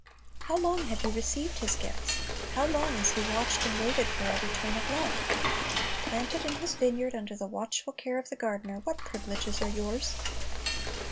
How long have you received His gifts? How long has He watched and waited for a return of love? Planted in His vineyard, under the watchful care of the gardener, what privileges are yours!